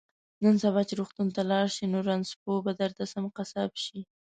نن سبا چې روغتون ته لاړ شي نو رنځپوه به درته سم قصاب شي